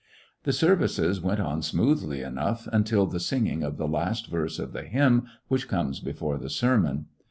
The services went on smoothly enough until the singing of the last verse of the hymn which comes before the sermon.